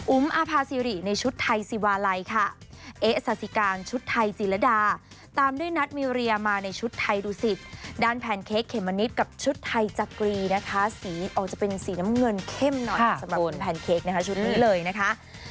อาภาษิริในชุดไทยสิวาลัยค่ะเอ๊ะสาธิการชุดไทยจีรดาตามด้วยนัทมีเรียมาในชุดไทยดูสิตด้านแพนเค้กเขมมะนิดกับชุดไทยจักรีนะคะสีออกจะเป็นสีน้ำเงินเข้มหน่อยสำหรับคุณแพนเค้กนะคะชุดนี้เลยนะคะ